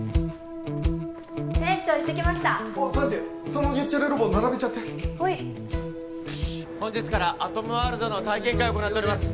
そのゲッチャリロボ並べちゃってはい本日からアトムワールドの体験会行っております